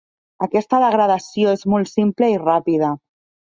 Aquesta degradació és molt simple i ràpida.